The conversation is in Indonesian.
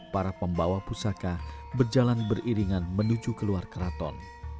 para pembawa pusaka berjalan beriringan menuju keluar keraton